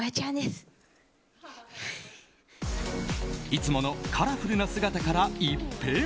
いつものカラフルな姿から一変。